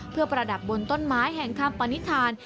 เพื่อประดับบนต้นไม้แห่งคำปณิธาน